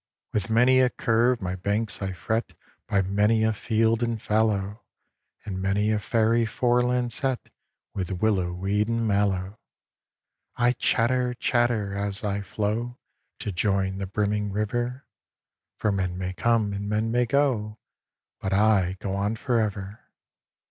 With many a curve my banks I fret By many a field and fallow. And many a fairy foreland set With willow weed and mallow. I chatter, chatter, as I flow To join the brimming river, For men may come and men may go, But I go on for ever.